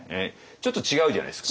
ちょっと違うじゃないですか。